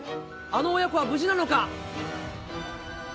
あの母娘は無事なのか。